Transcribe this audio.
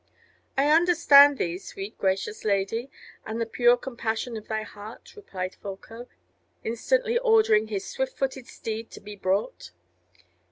"I understand thee, sweet gracious lady, and the pure compassion of thy heart," replied Folko; instantly ordering his swift footed steed to be brought.